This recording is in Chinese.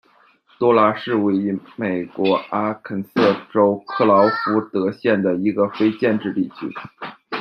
多拉是位于美国阿肯色州克劳福德县的一个非建制地区。